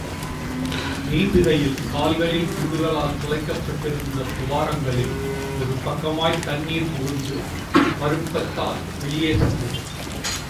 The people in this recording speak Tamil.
நீந்துகையில் கால்களில் குண்டுகளால் துளைக்கப்பட்டிருந்த துவாரங்களில் ஒரு பக்கமாய்த் தண்ணிர் புகுந்து மறுப்பத்தால் வெளியே சென்றது.